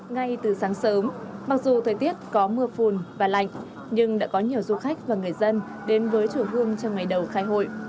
ngay từ sáng sớm mặc dù thời tiết có mưa phùn và lạnh nhưng đã có nhiều du khách và người dân đến với chùa hương trong ngày đầu khai hội